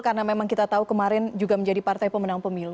karena memang kita tahu kemarin juga menjadi partai pemenang pemilu